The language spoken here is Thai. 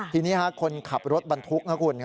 ทีนี้คนขับรถบรรทุกนะคุณ